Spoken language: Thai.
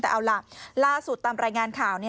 แต่เอาล่ะล่าสุดตามรายงานข่าว